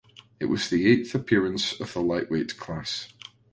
It was the eighth appearance of the lightweight class.